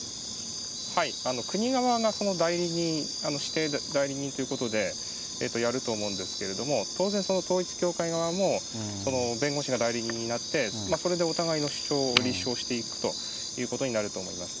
国側がその代理人、指定代理人ということでやると思うんですけれども、当然、統一教会側も弁護士が代理人になって、それでお互いの主張を立証していくということになると思います。